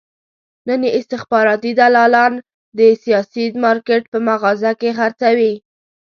نن یې استخباراتي دلالان د سیاسي مارکېټ په مغازه کې خرڅوي.